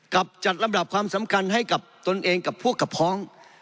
กับจัดลำดับความสำคัญให้กับตนเองกับพวกกับพ้อง